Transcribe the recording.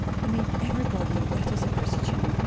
"I mean, everybody that is a Christian.